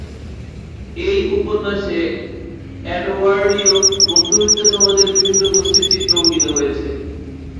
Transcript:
এই উপন্যাসে এডওয়ার্ডীয় মধ্যবিত্ত সমাজের বিভিন্ন গোষ্ঠীর চিত্র অঙ্কিত হয়েছে।